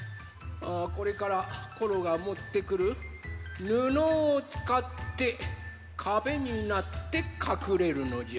これからコロがもってくるぬのをつかってかべになってかくれるのじゃ。